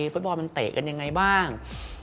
ฟุตบอลมันเตะกันยังไงบ้าง